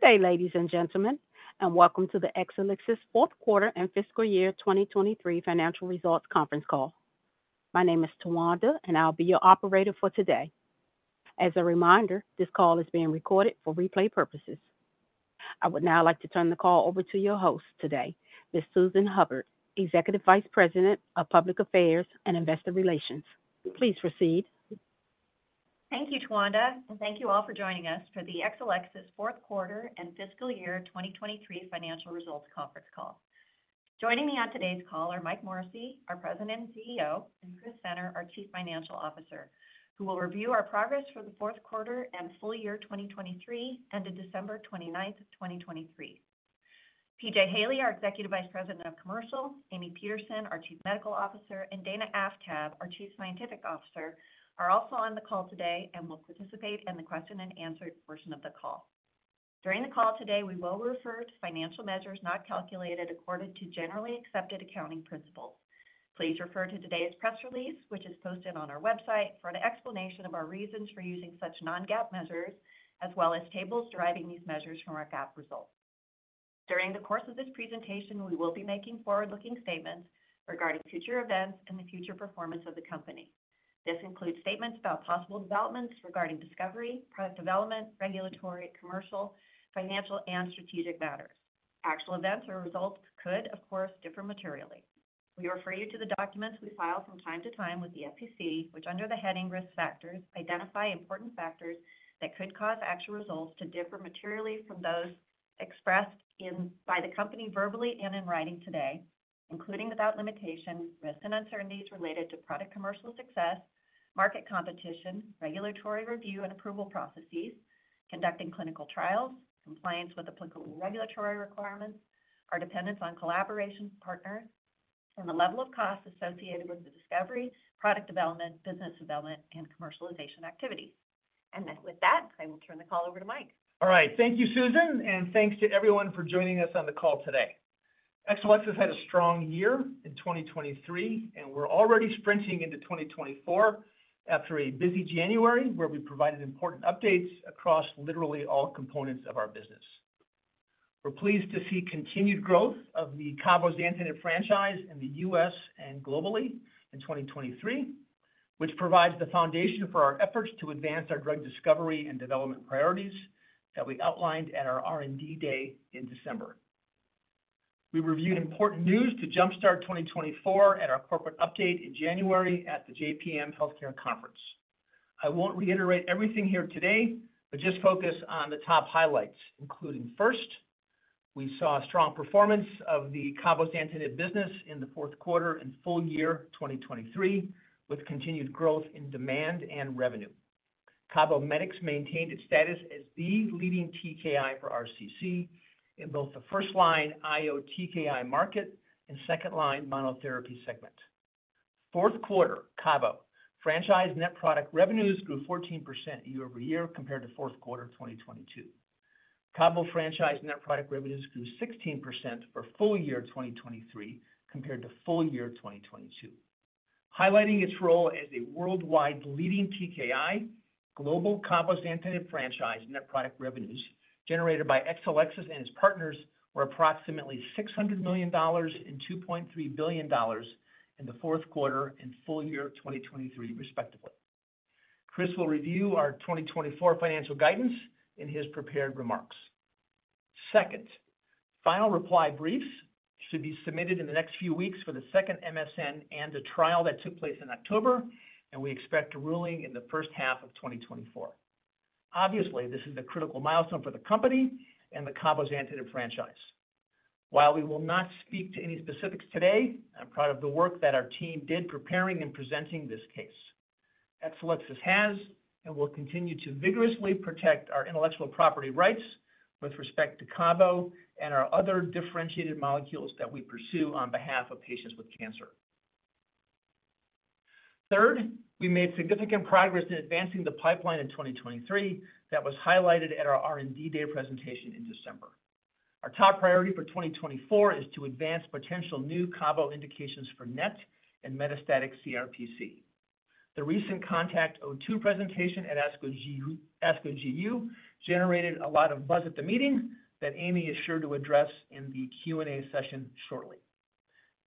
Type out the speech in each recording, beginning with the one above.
Good day, ladies and gentlemen, and welcome to the Exelixis fourth quarter and fiscal year 2023 financial results conference call. My name is Tawanda, and I'll be your operator for today. As a reminder, this call is being recorded for replay purposes. I would now like to turn the call over to your host today, Ms. Susan Hubbard, Executive Vice President of Public Affairs and Investor Relations. Please proceed. Thank you, Tawanda, and thank you all for joining us for the Exelixis fourth quarter and fiscal year 2023 financial results conference call. Joining me on today's call are Mike Morrissey, our President and CEO, and Chris Senner, our Chief Financial Officer, who will review our progress for the fourth quarter and full year 2023, ended December 29, 2023. PJ Haley, our Executive Vice President of Commercial, Amy Peterson, our Chief Medical Officer, and Dana Aftab, our Chief Scientific Officer, are also on the call today and will participate in the question-and-answer portion of the call. During the call today, we will refer to financial measures not calculated according to generally accepted accounting principles. Please refer to today's press release, which is posted on our website, for an explanation of our reasons for using such non-GAAP measures, as well as tables deriving these measures from our GAAP results. During the course of this presentation, we will be making forward-looking statements regarding future events and the future performance of the company. This includes statements about possible developments regarding discovery, product development, regulatory, commercial, financial, and strategic matters. Actual events or results could, of course, differ materially. We refer you to the documents we file from time to time with the SEC, which, under the heading Risk Factors, identify important factors that could cause actual results to differ materially from those expressed in by the company, verbally and in writing today, including without limitation, risks and uncertainties related to product commercial success, market competition, regulatory review and approval processes, conducting clinical trials, compliance with applicable regulatory requirements, our dependence on collaboration partners, and the level of costs associated with the discovery, product development, business development, and commercialization activities. Then with that, I will turn the call over to Mike. All right, thank you, Susan, and thanks to everyone for joining us on the call today. Exelixis had a strong year in 2023, and we're already sprinting into 2024 after a busy January, where we provided important updates across literally all components of our business. We're pleased to see continued growth of the cabozantinib franchise in the U.S. and globally in 2023, which provides the foundation for our efforts to advance our drug discovery and development priorities that we outlined at our R&D Day in December. We reviewed important news to jumpstart 2024 at our corporate update in January at the JPM Healthcare Conference. I won't reiterate everything here today, but just focus on the top highlights, including, first, we saw a strong performance of the cabozantinib business in the fourth quarter and full year 2023, with continued growth in demand and revenue. CABOMETYX maintained its status as the leading TKI for RCC in both the first-line IO-TKI market and second-line monotherapy segment. Fourth quarter, Cabo franchise net product revenues grew 14% year-over-year compared to fourth quarter 2022. Cabo franchise net product revenues grew 16% for full year 2023 compared to full year 2022. Highlighting its role as a worldwide leading TKI, global cabozantinib franchise net product revenues generated by Exelixis and its partners were approximately $600 million and $2.3 billion in the fourth quarter and full year 2023, respectively. Chris will review our 2024 financial guidance in his prepared remarks. Second, final reply briefs should be submitted in the next few weeks for the second MSN ANDA trial that took place in October, and we expect a ruling in the first half of 2024. Obviously, this is a critical milestone for the company and the cabozantinib franchise. While we will not speak to any specifics today, I'm proud of the work that our team did in preparing and presenting this case. Exelixis has and will continue to vigorously protect our intellectual property rights with respect to Cabo and our other differentiated molecules that we pursue on behalf of patients with cancer. Third, we made significant progress in advancing the pipeline in 2023 that was highlighted at our R&D Day presentation in December. Our top priority for 2024 is to advance potential new Cabo indications for NET and metastatic CRPC. The recent CONTACT-02 presentation at ASCO GU generated a lot of buzz at the meeting that Amy is sure to address in the Q&A session shortly.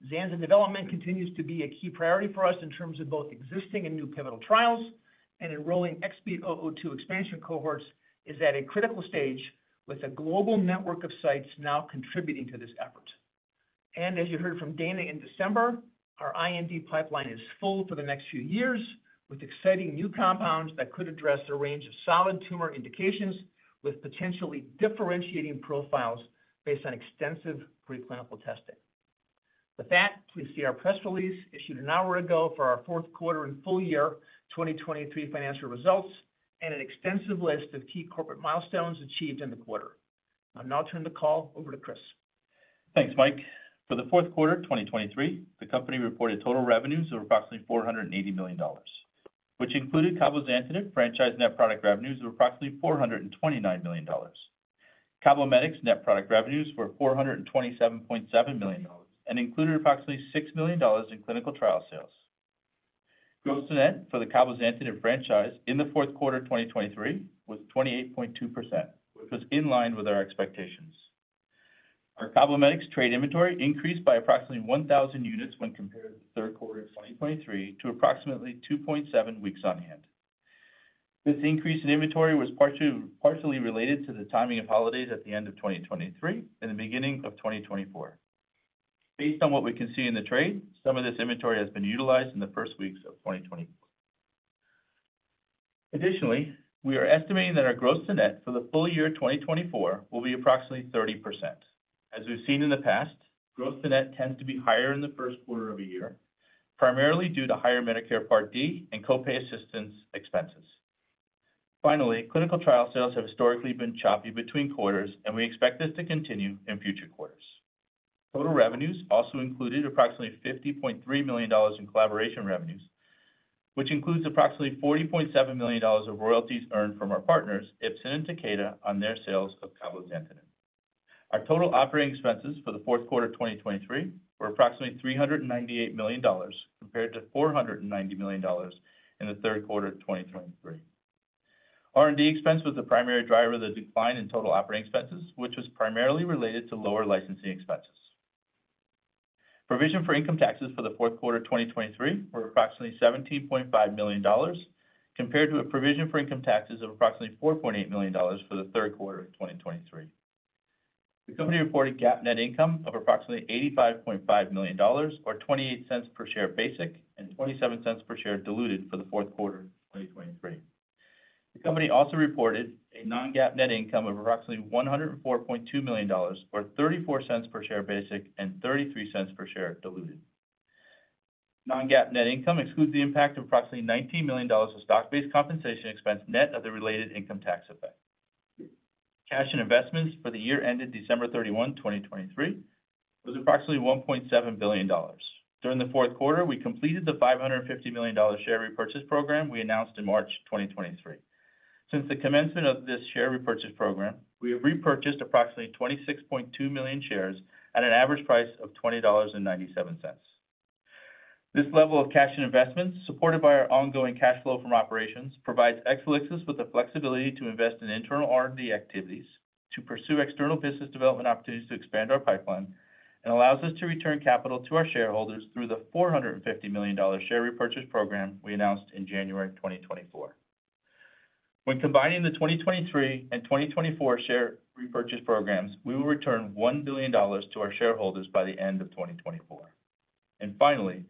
Zanzalintinib development continues to be a key priority for us in terms of both existing and new pivotal trials, and enrolling STELLAR-002 expansion cohorts is at a critical stage, with a global network of sites now contributing to this effort. As you heard from Dana in December, our IND pipeline is full for the next few years, with exciting new compounds that could address a range of solid tumor indications with potentially differentiating profiles based on extensive preclinical testing. With that, please see our press release issued an hour ago for our fourth quarter and full year 2023 financial results and an extensive list of key corporate milestones achieved in the quarter. I'll now turn the call over to Chris. Thanks, Mike. For the fourth quarter of 2023, the company reported total revenues of approximately $480 million, which included cabozantinib franchise net product revenues of approximately $429 million. CABOMETYX net product revenues were $427.7 million and included approximately $60 million in clinical trial sales. Gross to net for the cabozantinib franchise in the fourth quarter of 2023 was 28.2%, which was in line with our expectations. Our CABOMETYX trade inventory increased by approximately 1,000 units when compared to the third quarter of 2023 to approximately 2.7 weeks on hand. This increase in inventory was partially related to the timing of holidays at the end of 2023 and the beginning of 2024. Based on what we can see in the trade, some of this inventory has been utilized in the first weeks of 2024. Additionally, we are estimating that our gross to net for the full year 2024 will be approximately 30%. As we've seen in the past, gross to net tends to be higher in the first quarter of a year, primarily due to higher Medicare Part D and co-pay assistance expenses. Finally, clinical trial sales have historically been choppy between quarters, and we expect this to continue in future quarters. Total revenues also included approximately $50.3 million in collaboration revenues, which includes approximately $40.7 million of royalties earned from our partners, Ipsen and Takeda, on their sales of cabozantinib. Our total operating expenses for the fourth quarter of 2023 were approximately $398 million, compared to $490 million in the third quarter of 2023. R&D expense was the primary driver of the decline in total operating expenses, which was primarily related to lower licensing expenses. Provision for income taxes for the fourth quarter of 2023 were approximately $17.5 million, compared to a provision for income taxes of approximately $4.8 million for the third quarter of 2023. The company reported GAAP net income of approximately $85.5 million, or $0.28 per share basic, and $0.27 per share diluted for the fourth quarter of 2023. The company also reported a non-GAAP net income of approximately $104.2 million, or $0.34 per share basic and $0.33 per share diluted. Non-GAAP net income excludes the impact of approximately $19 million of stock-based compensation expense net of the related income tax effect. Cash and investments for the year ended December 31, 2023, was approximately $1.7 billion. During the fourth quarter, we completed the $550 million share repurchase program we announced in March 2023. Since the commencement of this share repurchase program, we have repurchased approximately 26.2 million shares at an average price of $20.97. This level of cash and investments, supported by our ongoing cash flow from operations, provides Exelixis with the flexibility to invest in internal R&D activities, to pursue external business development opportunities to expand our pipeline, and allows us to return capital to our shareholders through the $450 million share repurchase program we announced in January 2024. When combining the 2023 and 2024 share repurchase programs, we will return $1 billion to our shareholders by the end of 2024. And finally,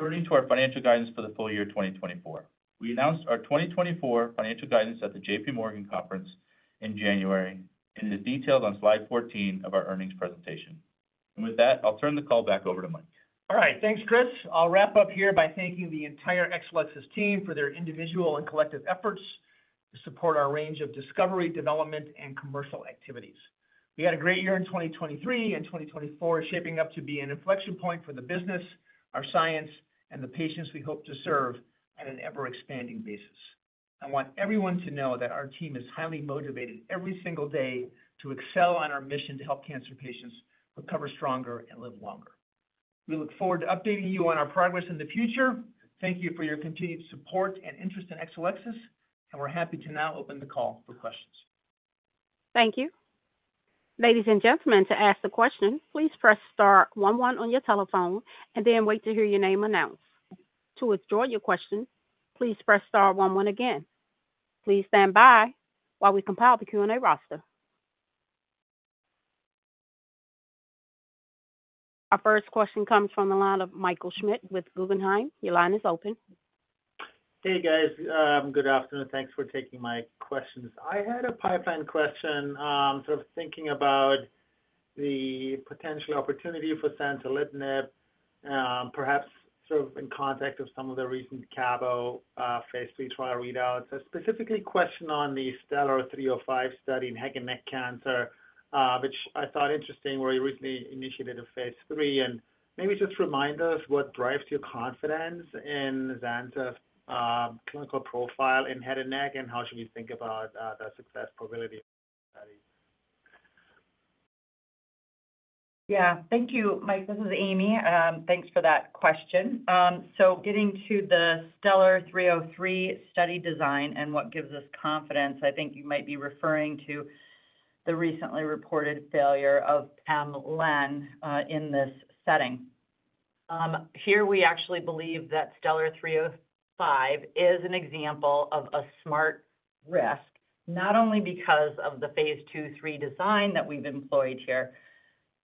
turning to our financial guidance for the full year 2024. We announced our 2024 financial guidance at the J.P. Morgan conference in January, and it is detailed on slide 14 of our earnings presentation. And with that, I'll turn the call back over to Mike. All right, thanks, Chris. I'll wrap up here by thanking the entire Exelixis team for their individual and collective efforts to support our range of discovery, development, and commercial activities. We had a great year in 2023, and 2024 is shaping up to be an inflection point for the business, our science, and the patients we hope to serve on an ever-expanding basis. I want everyone to know that our team is highly motivated every single day to excel on our mission to help cancer patients recover stronger and live longer. We look forward to updating you on our progress in the future. Thank you for your continued support and interest in Exelixis, and we're happy to now open the call for questions. Thank you. Ladies and gentlemen, to ask a question, please press star one one on your telephone and then wait to hear your name announced. To withdraw your question, please press star one one again. Please stand by while we compile the Q&A roster. Our first question comes from the line of Michael Schmidt with Guggenheim. Your line is open. Hey, guys, good afternoon. Thanks for taking my questions. I had a pipeline question. Sort of thinking about the potential opportunity for Zanzalintinib, perhaps sort of in context of some of the recent Cabo phase III trial readouts. Specifically, a question on the STELLAR-305 study in head and neck cancer, which I thought interesting, where you recently initiated a phase III. Maybe just remind us what drives your confidence in Zanzalintinib's clinical profile in head and neck, and how should we think about the success probability of the study? Yeah. Thank you, Mike. This is Amy. Thanks for that question. So getting to the STELLAR-303 study design and what gives us confidence, I think you might be referring to the recently reported failure of pem-lenv in this setting. Here we actually believe that STELLAR-305 is an example of a smart risk, not only because of the phase II/III design that we've employed here,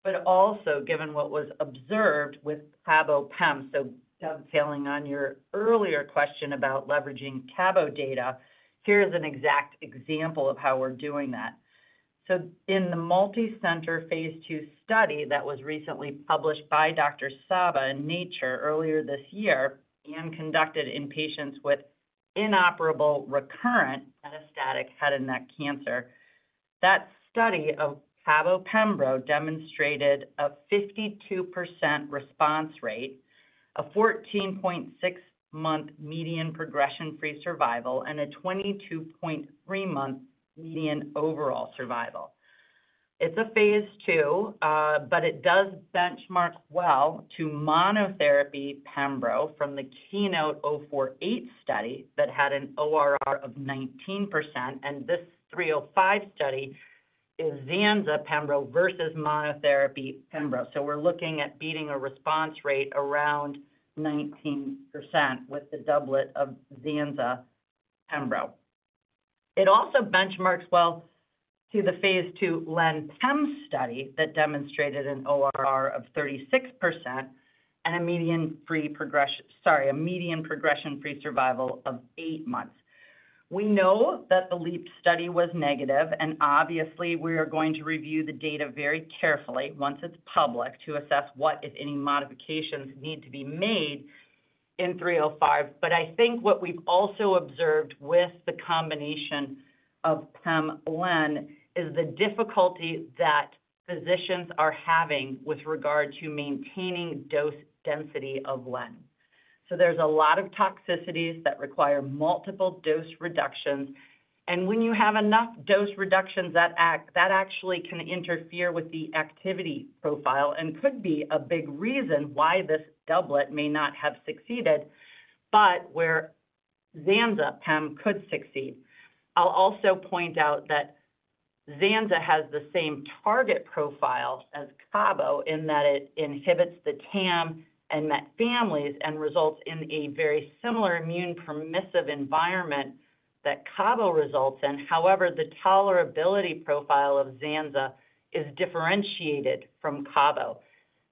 but also given what was observed with Cabo Pem. So dovetailing on your earlier question about leveraging Cabo data, here's an exact example of how we're doing that. So in the multicenter phase II study that was recently published by Dr. Published in Nature earlier this year and conducted in patients with inoperable, recurrent metastatic head and neck cancer, that study of cabo-pembro demonstrated a 52% response rate, a 14.6-month median progression-free survival, and a 22.3-month median overall survival. It's a phase II, but it does benchmark well to monotherapy pembro from the KEYNOTE-048 study that had an ORR of 19%, and this 305 study is Zanza-pembro versus monotherapy pembro. So we're looking at beating a response rate around 19% with the doublet of Zanza-pembro. It also benchmarks well to the phase II Len/Pem study that demonstrated an ORR of 36% and a median progression-free survival of 8 months. We know that the LEAP study was negative, and obviously, we are going to review the data very carefully once it's public, to assess what, if any, modifications need to be made in 305. But I think what we've also observed with the combination of Pem/Len is the difficulty that physicians are having with regard to maintaining dose density of Len. So there's a lot of toxicities that require multiple dose reductions, and when you have enough dose reductions, that actually can interfere with the activity profile and could be a big reason why this doublet may not have succeeded, but where Zanza/Pem could succeed. I'll also point out that Zanza has the same target profile as Cabo, in that it inhibits the TAM and MET families and results in a very similar immune-permissive environment that Cabo results in. However, the tolerability profile of Zanza is differentiated from Cabo.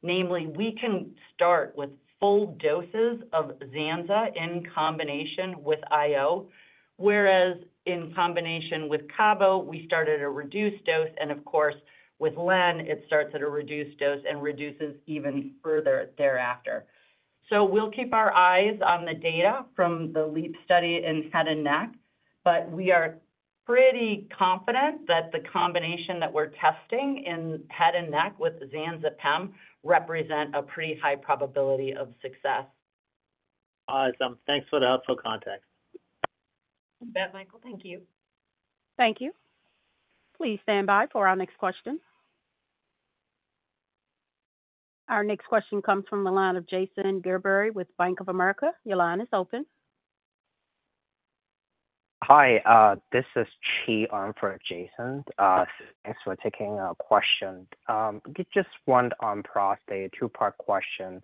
Namely, we can start with full doses of Zanza in combination with IO, whereas in combination with Cabo, we start at a reduced dose, and of course, with Len, it starts at a reduced dose and reduces even further thereafter. So we'll keep our eyes on the data from the LEAP study in head and neck, but we are pretty confident that the combination that we're testing in head and neck with the Zanza/Pem represent a pretty high probability of success. Awesome. Thanks for the helpful context. You bet, Michael. Thank you. Thank you. Please stand by for our next question. Our next question comes from the line of Jason Gerberry with Bank of America. Your line is open. Hi, this is Chi on for Jason. Thanks for taking our question. Just one on prostate, a two-part question.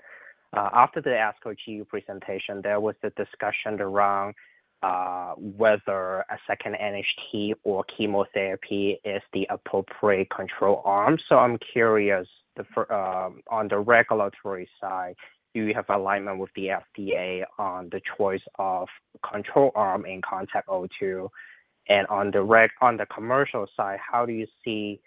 After the ASCO GU presentation, there was a discussion around whether a second NHT or chemotherapy is the appropriate control arm. So I'm curious, on the regulatory side, do you have alignment with the FDA on the choice of control arm in CONTACT-02? And on the commercial side, how do you see,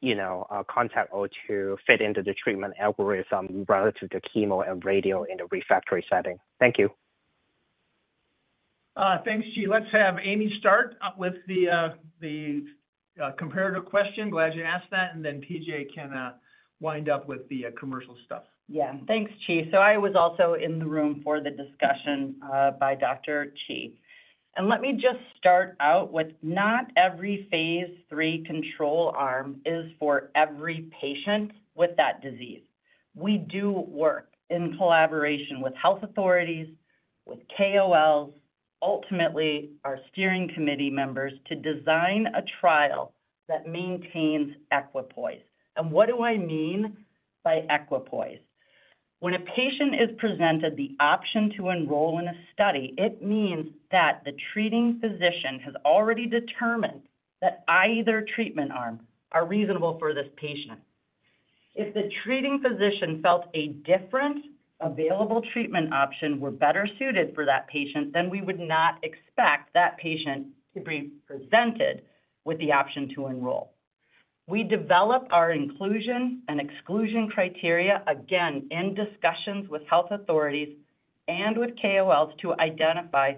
you know, CONTACT-02 fit into the treatment algorithm relative to chemo and radio in a refractory setting? Thank you. Thanks, Chi. Let's have Amy start with the comparative question. Glad you asked that, and then PJ can wind up with the commercial stuff. Yeah. Thanks, Chi. So I was also in the room for the discussion by Dr. Chi. And let me just start out with not every phase III control arm is for every patient with that disease. We do work in collaboration with health authorities, with KOLs, ultimately our steering committee members, to design a trial that maintains equipoise. And what do I mean by equipoise? When a patient is presented the option to enroll in a study, it means that the treating physician has already determined that either treatment arm are reasonable for this patient. If the treating physician felt a different available treatment option were better suited for that patient, then we would not expect that patient to be presented with the option to enroll. We develop our inclusion and exclusion criteria, again, in discussions with health authorities and with KOLs to identify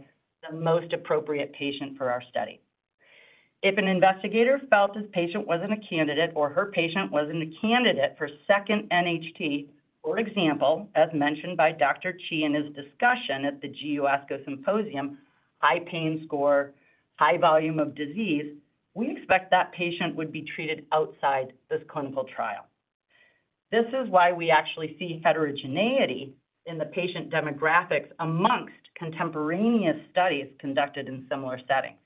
the most appropriate patient for our study. If an investigator felt his patient wasn't a candidate or her patient wasn't a candidate for second NHT, for example, as mentioned by Dr. Chi in his discussion at the GU ASCO symposium, high pain score, high volume of disease, we expect that patient would be treated outside this clinical trial. This is why we actually see heterogeneity in the patient demographics amongst contemporaneous studies conducted in similar settings.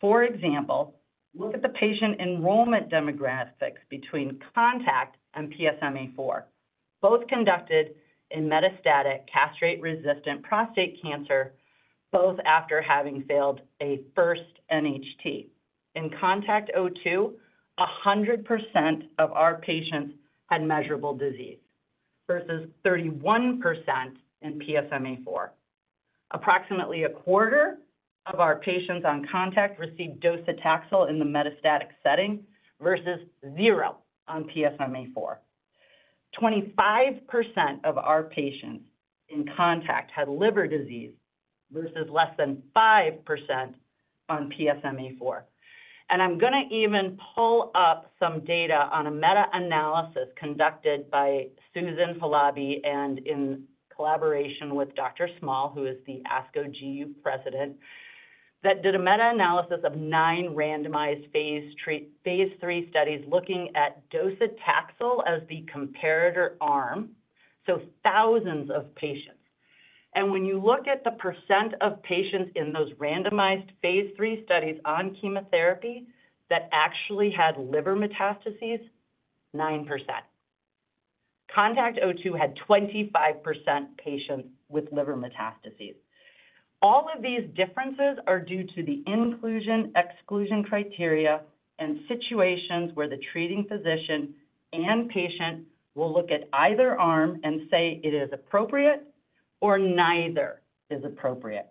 For example, look at the patient enrollment demographics between CONTACT-02 and PSMAfore, both conducted in metastatic castration-resistant prostate cancer, both after having failed a first NHT. In CONTACT-02, 100% of our patients had measurable disease versus 31% in PSMAfore. Approximately 25% of our patients on CONTACT-02 received docetaxel in the metastatic setting versus zero on PSMAfore. 25% of our patients in CONTACT-02 had liver disease versus less than 5% on PSMAfore. I'm going to even pull up some data on a meta-analysis conducted by Susan Halabi and in collaboration with Dr. Small, who is the ASCO GU president... that did a meta-analysis of 9 randomized phase III studies looking at docetaxel as the comparator arm, so thousands of patients. When you look at the percent of patients in those randomized phase III studies on chemotherapy that actually had liver metastases, 9%. CONTACT-02 had 25% patients with liver metastases. All of these differences are due to the inclusion/exclusion criteria and situations where the treating physician and patient will look at either arm and say it is appropriate or neither is appropriate.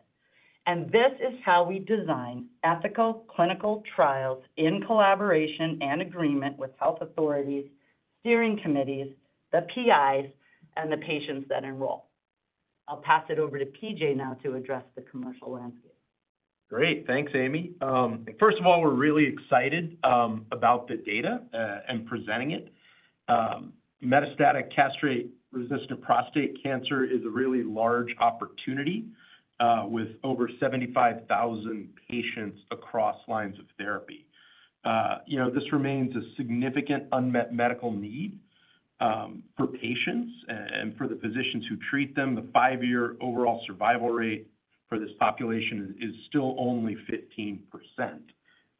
This is how we design ethical clinical trials in collaboration and agreement with health authorities, steering committees, the PIs, and the patients that enroll. I'll pass it over to PJ now to address the commercial landscape. Great. Thanks, Amy. First of all, we're really excited about the data and presenting it. Metastatic castration-resistant prostate cancer is a really large opportunity with over 75,000 patients across lines of therapy. You know, this remains a significant unmet medical need for patients and for the physicians who treat them. The five-year overall survival rate for this population is still only 15%.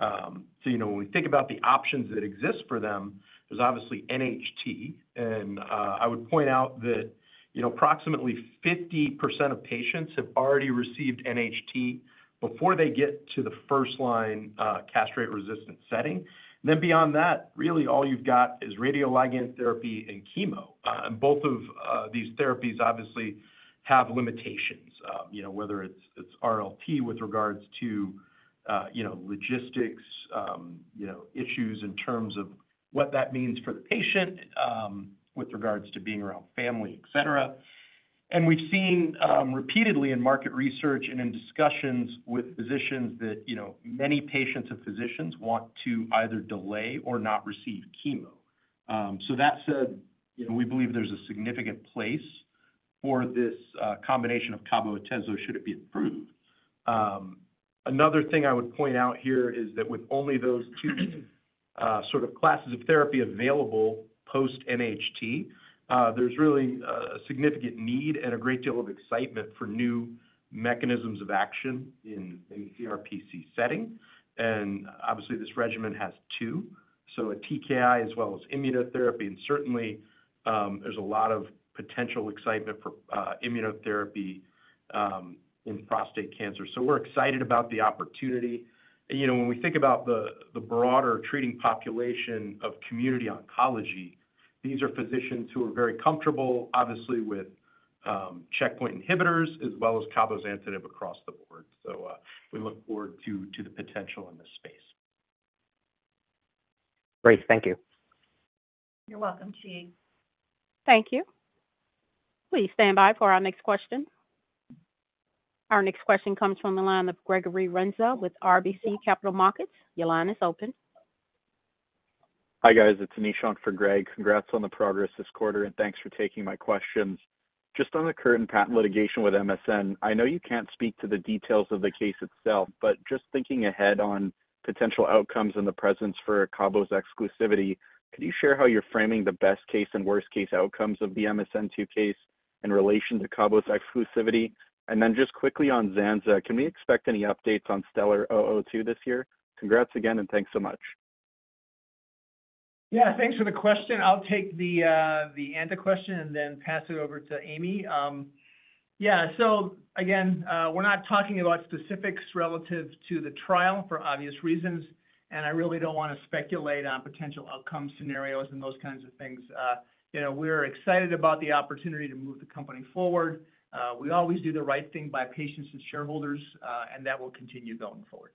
So, you know, when we think about the options that exist for them, there's obviously NHT. And I would point out that, you know, approximately 50% of patients have already received NHT before they get to the first-line castration-resistant setting. Then beyond that, really, all you've got is radioligand therapy and chemo. And both of these therapies obviously have limitations. You know, whether it's, it's RLP with regards to, you know, logistics, you know, issues in terms of what that means for the patient, with regards to being around family, et cetera. And we've seen, repeatedly in market research and in discussions with physicians that, you know, many patients and physicians want to either delay or not receive chemo. So that said, you know, we believe there's a significant place for this, combination of Cabo-Atezo, should it be approved. Another thing I would point out here is that with only those two, sort of classes of therapy available post-NHT, there's really a significant need and a great deal of excitement for new mechanisms of action in the CRPC setting. And obviously, this regimen has two, so a TKI as well as immunotherapy, and certainly, there's a lot of potential excitement for immunotherapy in prostate cancer. So we're excited about the opportunity. You know, when we think about the broader treating population of community oncology, these are physicians who are very comfortable, obviously with checkpoint inhibitors as well as cabozantinib across the board. So, we look forward to the potential in this space. Great. Thank you. You're welcome, Chi. Thank you. Please stand by for our next question. Our next question comes from the line of Gregory Renza with RBC Capital Markets. Your line is open. Hi, guys. It's Nishant for Greg. Congrats on the progress this quarter, and thanks for taking my questions. Just on the current patent litigation with MSN, I know you can't speak to the details of the case itself, but just thinking ahead on potential outcomes in the precedent for Cabo's exclusivity, could you share how you're framing the best-case and worst-case outcomes of the MSN-2 case in relation to Cabo's exclusivity? And then just quickly on Zanza, can we expect any updates on STELLAR-002 this year? Congrats again, and thanks so much. Yeah, thanks for the question. I'll take the anti question and then pass it over to Amy. Yeah, so again, we're not talking about specifics relative to the trial for obvious reasons, and I really don't want to speculate on potential outcome scenarios and those kinds of things. You know, we're excited about the opportunity to move the company forward. We always do the right thing by patients and shareholders, and that will continue going forward.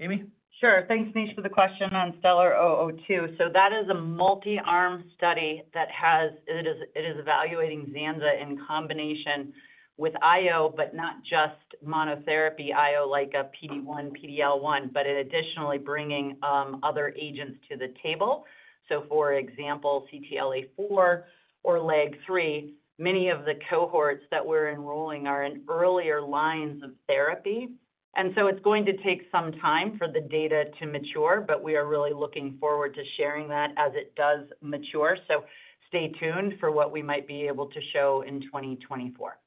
Amy? Sure. Thanks, Nish, for the question on STELLAR-002. So that is a multi-arm study that has... It is, it is evaluating Zanzalintinib in combination with IO, but not just monotherapy IO, like a PD-1, PD-L1, but it additionally bringing other agents to the table. So for example, CTLA-4 or LAG-3, many of the cohorts that we're enrolling are in earlier lines of therapy, and so it's going to take some time for the data to mature, but we are really looking forward to sharing that as it does mature. So stay tuned for what we might be able to show in 2024.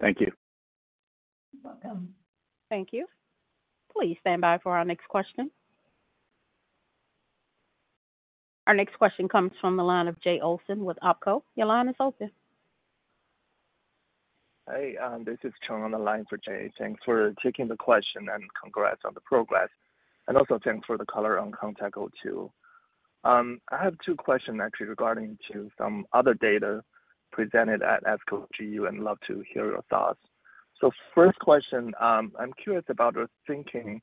Thank you. You're welcome. Thank you. Please stand by for our next question. Our next question comes from the line of Jay Olson with Opco. Your line is open. Hey, this is Cheng on the line for Jay. Thanks for taking the question, and congrats on the progress. And also, thanks for the color on CONTACT-02. I have two questions actually regarding to some other data presented at ASCO GU and love to hear your thoughts. So first question, I'm curious about your thinking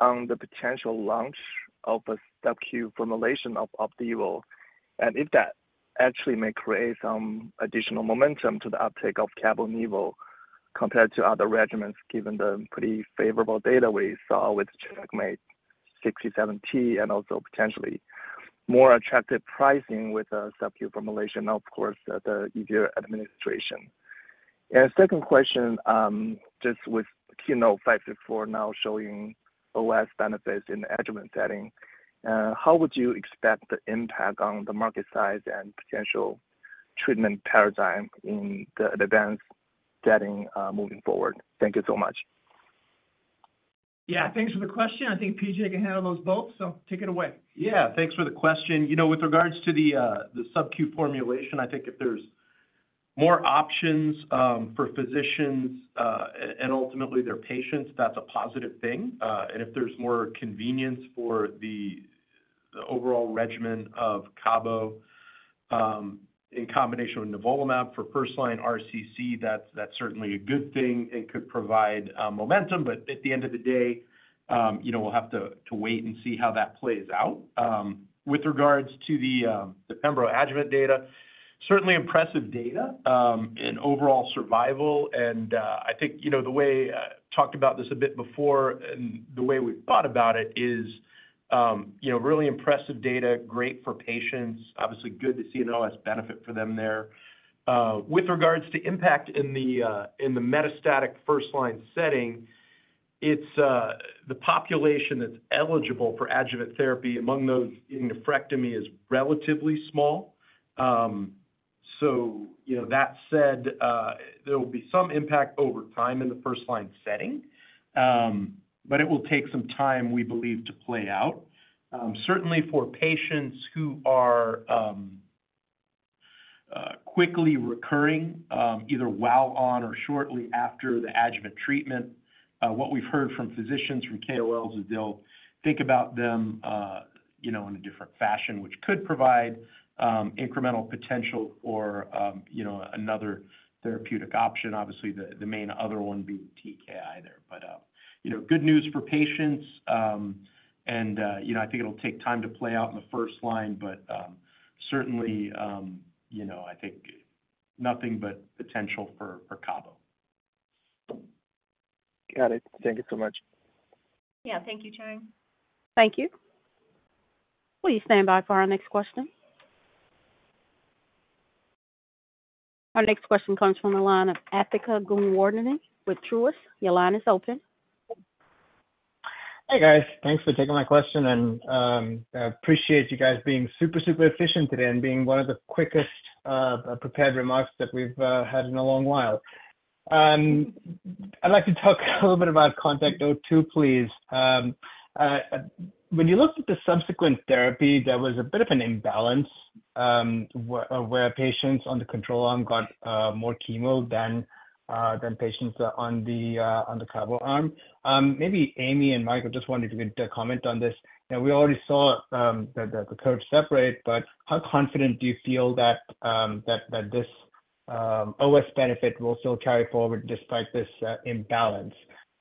on the potential launch of a subQ formulation of Opdivo, and if that actually may create some additional momentum to the uptake of CABOMETYX compared to other regimens, given the pretty favorable data we saw with CheckMate-67T, and also potentially more attractive pricing with a subQ formulation, of course, the easier administration. Second question, just with KEYNOTE-564 now showing OS benefits in the adjuvant setting, how would you expect the impact on the market size and potential treatment paradigm in the advanced setting, moving forward? Thank you so much. Yeah, thanks for the question. I think PJ can handle those both, so take it away. Yeah, thanks for the question. You know, with regards to the subcu formulation, I think if there's more options for physicians, and ultimately their patients, that's a positive thing. And if there's more convenience for the overall regimen of Cabo in combination with nivolumab for first-line RCC, that's certainly a good thing and could provide momentum. But at the end of the day, you know, we'll have to wait and see how that plays out. With regards to the pembro adjuvant data, certainly impressive data in overall survival. And, I think, you know, the way I talked about this a bit before and the way we've thought about it is, you know, really impressive data, great for patients. Obviously, good to see an OS benefit for them there. With regards to impact in the metastatic first-line setting, it's the population that's eligible for adjuvant therapy among those getting nephrectomy is relatively small. So you know, that said, there will be some impact over time in the first-line setting, but it will take some time, we believe, to play out. Certainly for patients who are quickly recurring, either while on or shortly after the adjuvant treatment, what we've heard from physicians, from KOLs, is they'll think about them, you know, in a different fashion, which could provide incremental potential for, you know, another therapeutic option. Obviously, the main other one being TKI there. But, you know, good news for patients. You know, I think it'll take time to play out in the first line, but certainly, you know, I think nothing but potential for cabo. Got it. Thank you so much. Yeah. Thank you, Cheng. Thank you. Please stand by for our next question. Our next question comes from the line of Asthika Goonewardene with Truist. Your line is open. Hey, guys. Thanks for taking my question, and I appreciate you guys being super, super efficient today and being one of the quickest prepared remarks that we've had in a long while. I'd like to talk a little bit about CONTACT-02, please. When you looked at the subsequent therapy, there was a bit of an imbalance, where patients on the control arm got more chemo than patients on the cabo arm. Maybe Amy and Mike, I just wondered if you could comment on this. Now, we already saw the curves separate, but how confident do you feel that this OS benefit will still carry forward despite this imbalance?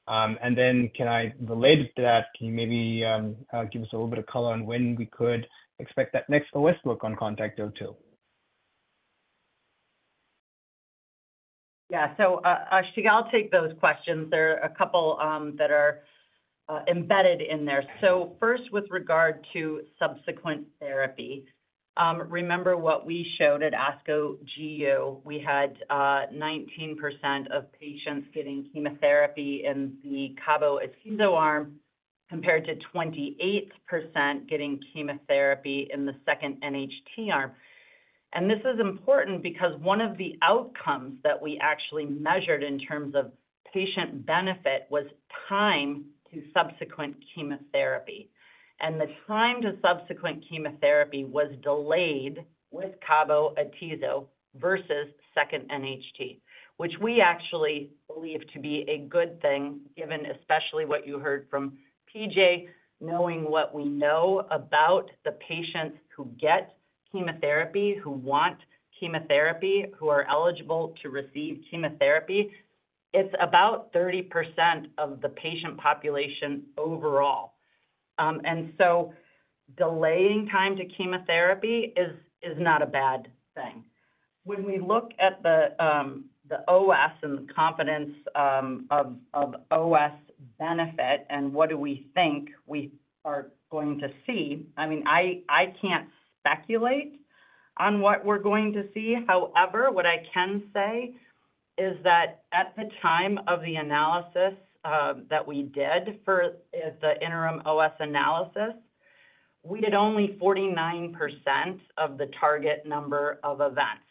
Related to that, can you maybe give us a little bit of color on when we could expect that next OS look on CONTACT-02? Yeah. So, Asthika, I'll take those questions. There are a couple that are embedded in there. So first, with regard to subsequent therapy, remember what we showed at ASCO GU. We had 19% of patients getting chemotherapy in the cabo-atezo arm, compared to 28% getting chemotherapy in the second NHT arm. And this is important because one of the outcomes that we actually measured in terms of patient benefit was time to subsequent chemotherapy. And the time to subsequent chemotherapy was delayed with cabo-atezo versus second NHT, which we actually believe to be a good thing, given especially what you heard from PJ, knowing what we know about the patients who get chemotherapy, who want chemotherapy, who are eligible to receive chemotherapy. It's about 30% of the patient population overall. And so delaying time to chemotherapy is not a bad thing. When we look at the OS and the confidence of OS benefit and what do we think we are going to see, I mean, I can't speculate on what we're going to see. However, what I can say is that at the time of the analysis that we did for the interim OS analysis, we did only 49% of the target number of events.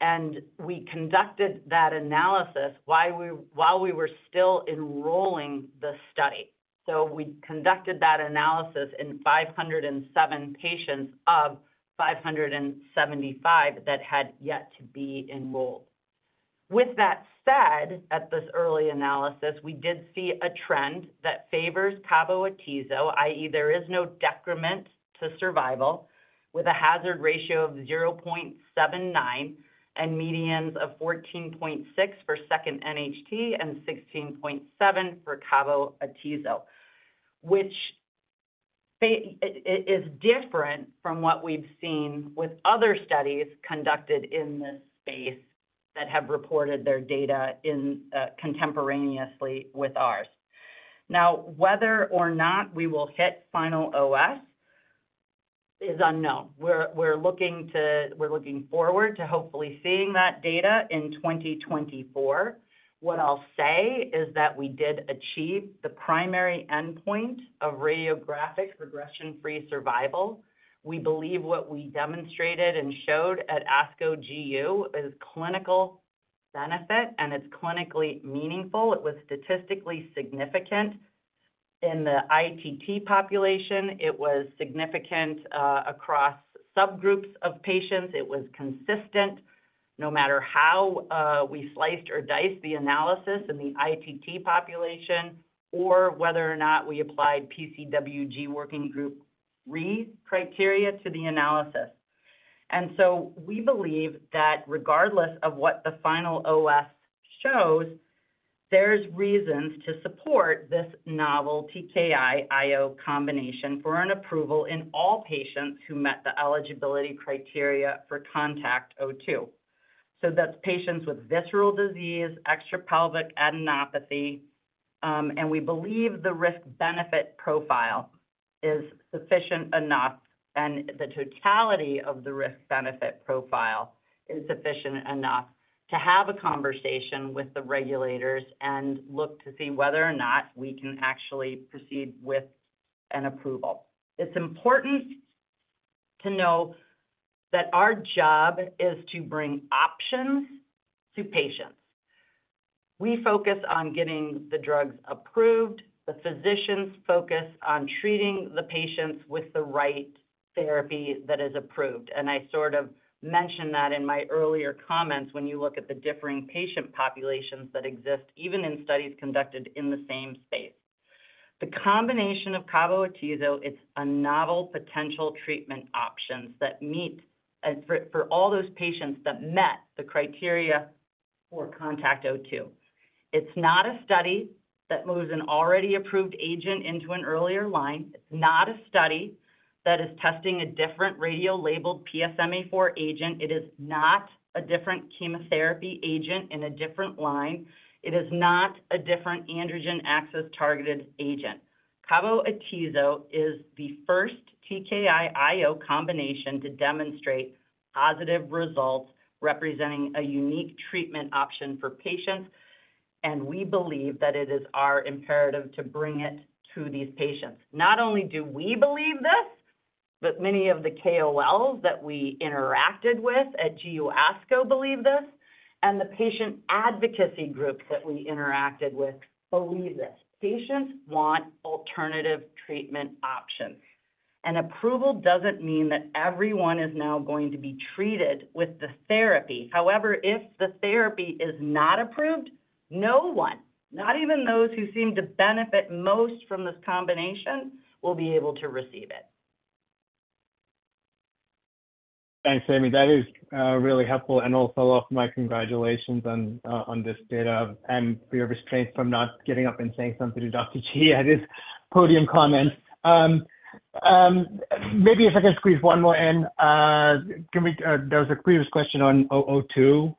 And we conducted that analysis while we were still enrolling the study. So we conducted that analysis in 507 patients of 575 that had yet to be enrolled. With that said, at this early analysis, we did see a trend that favors cabo-atezo, i.e., there is no decrement to survival, with a hazard ratio of 0.79 and medians of 14.6 for second NHT and 16.7 for cabo-atezo. Which it is different from what we've seen with other studies conducted in this space that have reported their data contemporaneously with ours. Now, whether or not we will hit final OS is unknown. We're looking forward to hopefully seeing that data in 2024. What I'll say is that we did achieve the primary endpoint of radiographic progression-free survival. We believe what we demonstrated and showed at ASCO GU is clinical benefit, and it's clinically meaningful. It was statistically significant in the ITT population. It was significant across subgroups of patients. It was consistent, no matter how we sliced or diced the analysis in the ITT population or whether or not we applied PCWG working group RECIST criteria to the analysis. So we believe that regardless of what the final OS shows, there's reasons to support this novel TKI/IO combination for an approval in all patients who met the eligibility criteria for CONTACT-02. That's patients with visceral disease, extra pelvic adenopathy, and we believe the risk-benefit profile is sufficient enough, and the totality of the risk-benefit profile is sufficient enough to have a conversation with the regulators and look to see whether or not we can actually proceed with an approval. It's important to know that our job is to bring options to patients. We focus on getting the drugs approved. The physicians focus on treating the patients with the right therapy that is approved, and I sort of mentioned that in my earlier comments when you look at the differing patient populations that exist, even in studies conducted in the same space. The combination of CABOMETYX, it's a novel potential treatment options that meet for all those patients that met the criteria for CONTACT-02. It's not a study that moves an already approved agent into an earlier line. It's not a study that is testing a different radiolabeled PSMAfore agent. It is not a different chemotherapy agent in a different line. It is not a different androgen axis-targeted agent. CABOMETYX is the first TKI/IO combination to demonstrate positive results, representing a unique treatment option for patients, and we believe that it is our imperative to bring it to these patients. Not only do we believe this, but many of the KOLs that we interacted with at ASCO GU believe this, and the patient advocacy groups that we interacted with believe this. Patients want alternative treatment options. An approval doesn't mean that everyone is now going to be treated with the therapy. However, if the therapy is not approved, no one, not even those who seem to benefit most from this combination, will be able to receive it. Thanks, Amy. That is really helpful. And also, my congratulations on this data and for your restraint from not getting up and saying something to Dr. Chi at his podium comments. Maybe if I can squeeze one more in. Can we... There was a previous question on CONTACT-02.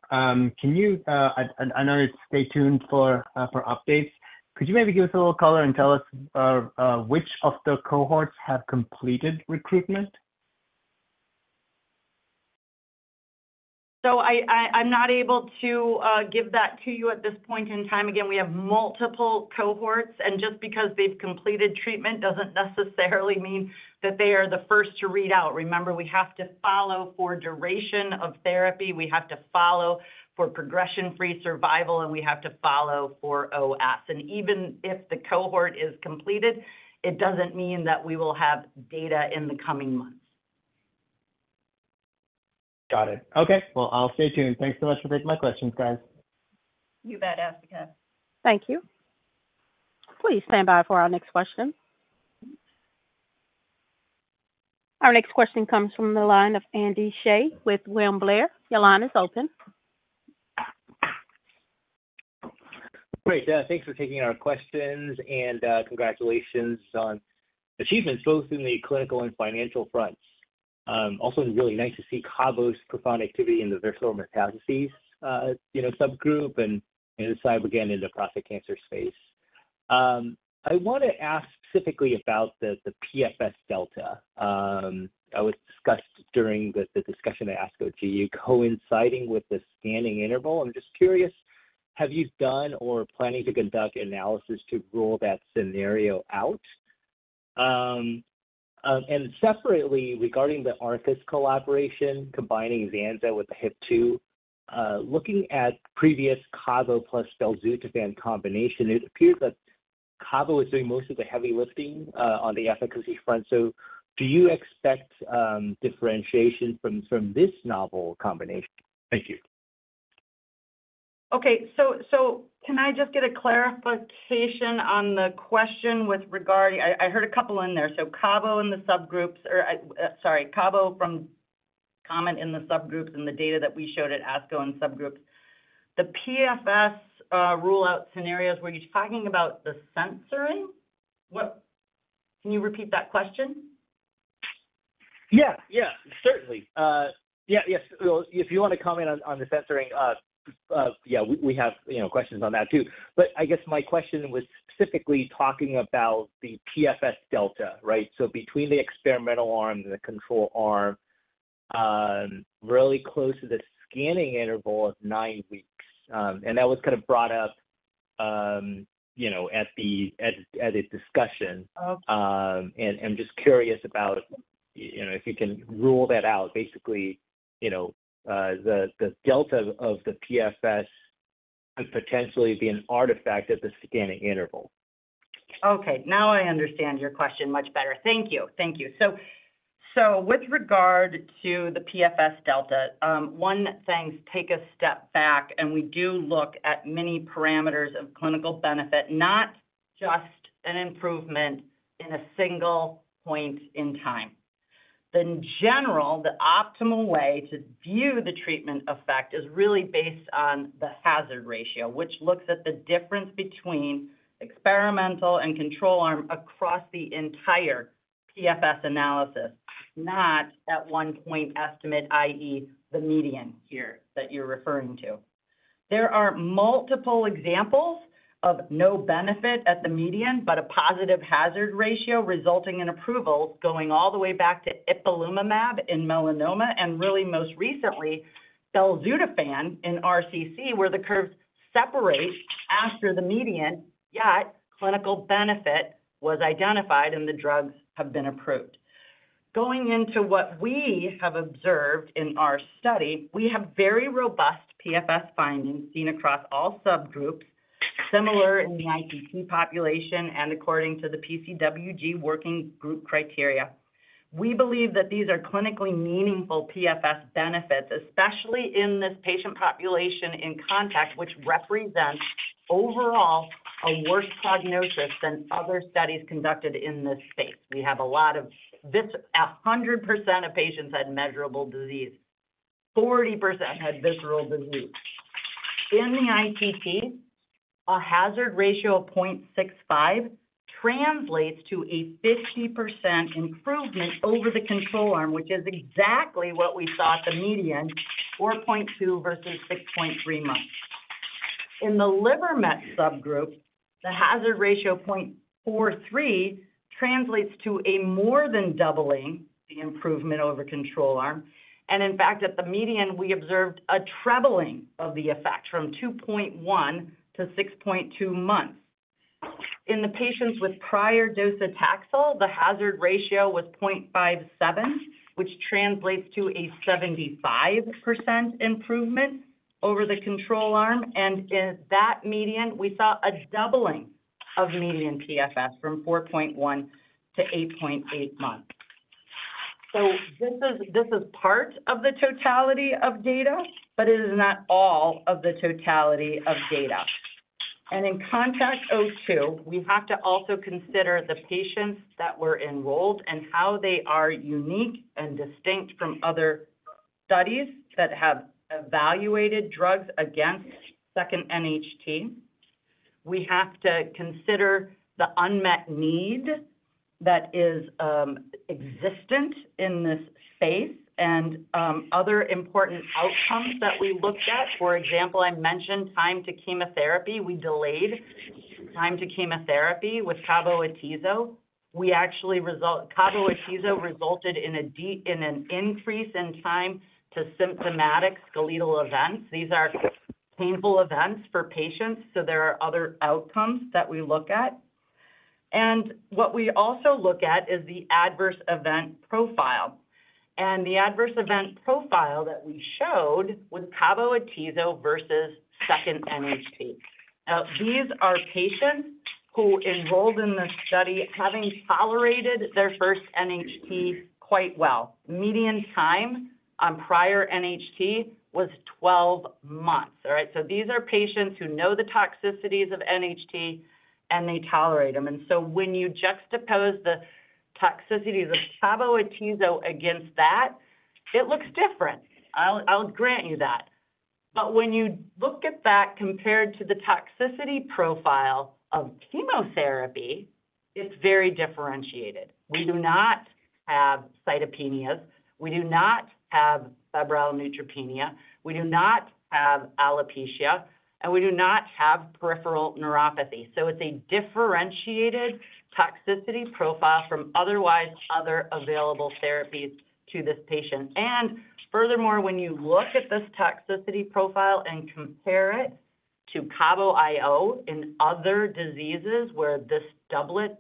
Can you, I know it's stay tuned for updates. Could you maybe give us a little color and tell us which of the cohorts have completed recruitment? So I'm not able to give that to you at this point in time. Again, we have multiple cohorts, and just because they've completed treatment doesn't necessarily mean that they are the first to read out. Remember, we have to follow for duration of therapy, we have to follow for progression-free survival, and we have to follow for OS. And even if the cohort is completed, it doesn't mean that we will have data in the coming months. Got it. Okay, well, I'll stay tuned. Thanks so much for taking my questions, guys. You bet, Asthika. Thank you. Please stand by for our next question. Our next question comes from the line of Andy Hsieh with William Blair. Your line is open. Great, thanks for taking our questions, and, congratulations on achievements both in the clinical and financial fronts. Also, really nice to see Cabo's profound activity in the visceral metastases, you know, subgroup and Zanzalintinib in the prostate cancer space. I want to ask specifically about the PFS delta that was discussed during the discussion at ASCO GU, coinciding with the scanning interval. I'm just curious, have you done or planning to conduct analysis to rule that scenario out? And separately, regarding the Arcus collaboration, combining Zanza with the HIF-2, looking at previous Cabo plus belzutifan combination, it appeared that Cabo is doing most of the heavy lifting on the efficacy front. So do you expect differentiation from this novel combination? Thank you. Okay. So, so can I just get a clarification on the question with regard... I, I heard a couple in there. So Cabo in the subgroups, or I, sorry, Cabo from COMETRIQ in the subgroups and the data that we showed at ASCO in subgroups. The PFS rule-out scenarios, were you talking about the censoring? What— Can you repeat that question?... Yeah, yeah, certainly. Yeah, yes. Well, if you want to comment on the censoring, yeah, we have, you know, questions on that too. But I guess my question was specifically talking about the PFS delta, right? So between the experimental arm and the control arm, really close to the scanning interval of 9 weeks. And that was kind of brought up, you know, at a discussion. And I'm just curious about, you know, if you can rule that out, basically, you know, the delta of the PFS could potentially be an artifact at the scanning interval. Okay, now I understand your question much better. Thank you. Thank you. So, so with regard to the PFS delta, one thing, take a step back, and we do look at many parameters of clinical benefit, not just an improvement in a single point in time. In general, the optimal way to view the treatment effect is really based on the hazard ratio, which looks at the difference between experimental and control arm across the entire PFS analysis, not at one point estimate, i.e., the median here that you're referring to. There are multiple examples of no benefit at the median, but a positive hazard ratio resulting in approval going all the way back to ipilimumab in melanoma, and really most recently, belzutifan in RCC, where the curves separate after the median, yet clinical benefit was identified and the drugs have been approved. Going into what we have observed in our study, we have very robust PFS findings seen across all subgroups, similar in the ITT population and according to the PCWG working group criteria. We believe that these are clinically meaningful PFS benefits, especially in this patient population in CONTACT-02, which represents overall a worse prognosis than other studies conducted in this space. We have 100% of patients had measurable disease. 40% had visceral disease. In the ITT, a hazard ratio of 0.65 translates to a 50% improvement over the control arm, which is exactly what we saw at the median, 4.2 versus 6.3 months. In the liver met subgroup, the hazard ratio, 0.43, translates to a more than doubling the improvement over control arm. In fact, at the median, we observed a trebling of the effect from 2.1 to 6.2 months. In the patients with prior docetaxel, the hazard ratio was 0.57, which translates to a 75% improvement over the control arm. And in that median, we saw a doubling of median PFS from 4.1 to 8.8 months. So this is, this is part of the totality of data, but it is not all of the totality of data. And in CONTACT-02, we have to also consider the patients that were enrolled and how they are unique and distinct from other studies that have evaluated drugs against second NHT. We have to consider the unmet need that is, existent in this space and, other important outcomes that we looked at. For example, I mentioned time to chemotherapy. We delayed time to chemotherapy with Cabo-Atezo. We actually, Cabo-Atezo resulted in an increase in time to symptomatic skeletal events. These are painful events for patients, so there are other outcomes that we look at. What we also look at is the adverse event profile. The adverse event profile that we showed was Cabo-Atezo versus second NHT. Now, these are patients who enrolled in this study, having tolerated their first NHT quite well. Median time on prior NHT was 12 months. All right? So these are patients who know the toxicities of NHT, and they tolerate them. So when you juxtapose the toxicities of Cabo-Atezo against that, it looks different. I'll grant you that. But when you look at that compared to the toxicity profile of chemotherapy, it's very differentiated. We do not have cytopenias, we do not have febrile neutropenia, we do not have alopecia, and we do not have peripheral neuropathy. So it's a differentiated toxicity profile from otherwise other available therapies to this patient. And furthermore, when you look at this toxicity profile and compare it to Cabo-IO in other diseases where this doublet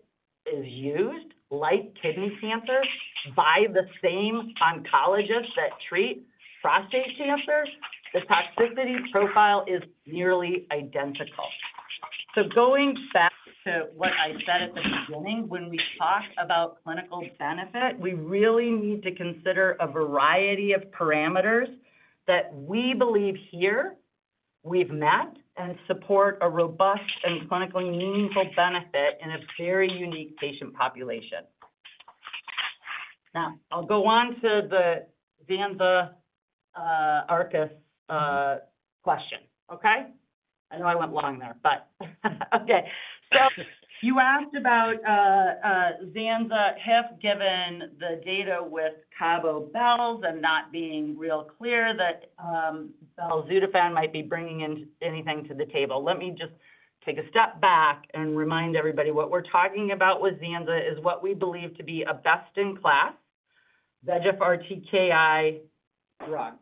is used, like kidney cancer, by the same oncologist that treat prostate cancer, the toxicity profile is nearly identical. So going back to what I said at the beginning, when we talk about clinical benefit, we really need to consider a variety of parameters that we believe here we've met and support a robust and clinically meaningful benefit in a very unique patient population. Now, I'll go on to the Zanzalintinib, Arcus question. Okay? I know I went long there, but okay. So you asked about Zanza HIF given the data with Cabo plus and not being real clear that belzutifan might be bringing in anything to the table. Let me just take a step back and remind everybody what we're talking about with Zanza is what we believe to be a best-in-class VEGFR TKI drug.